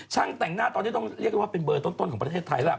แต่งหน้าตอนนี้ต้องเรียกได้ว่าเป็นเบอร์ต้นของประเทศไทยแล้ว